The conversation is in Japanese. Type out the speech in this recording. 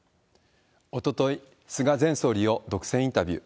おととい、菅前総理を独占インタビュー。